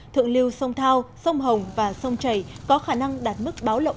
thượng lưu sông thao sông hồng và sông chảy có khả năng đạt mức báo động ba